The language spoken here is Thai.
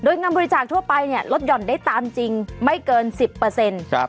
โดยเงินบริจาคทั่วไปเนี่ยลดหย่อนได้ตามจริงไม่เกินสิบเปอร์เซ็นต์